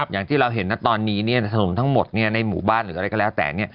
อย่างที่เราเห็นตอนนี้ถนนทั้งหมดในหมู่บ้านหรืออะไรก็แล้วแต่